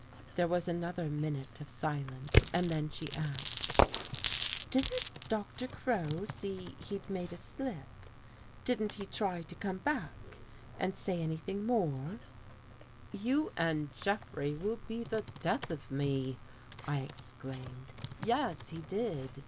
There was another minute of silence and then she asked :" Didn't Doctor Crow see he'd made a slip ? Didn't he try to come back and say anything more? " 207 THE GHOST GIRL " You and Jeffrey will be the death of me," I exclaimed. "Yes, he did.